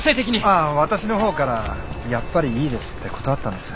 ああ私の方からやっぱりいいですって断ったんです。